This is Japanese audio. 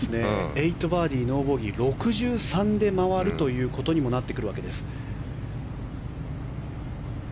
８バーディー、ノーボギー６３で回るということにもなってくるわけです。